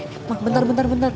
eh mak bentar bentar bentar